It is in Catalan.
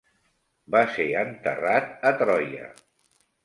Va ser enterrat a Troia.